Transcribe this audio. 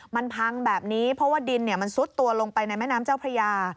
มันพังแบบนี้เพราะว่าดินมันซุดตัวลงไปในแม่น้ำเจ้าพระยา